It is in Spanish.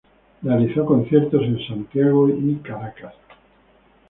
Realizó conciertos en Santiago y Caracas.